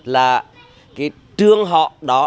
là cái trương họ đó